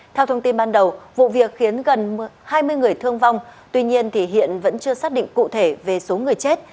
theo thông tin ban đầu vụ việc khiến gần hai mươi người thương vong tuy nhiên hiện vẫn chưa xác định cụ thể về số người chết